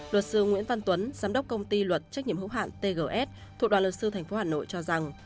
luật sư nguyễn văn tuấn giám đốc công ty luật trách nhiệm hữu hạn tgs thuộc đoàn luật sư tp hà nội cho rằng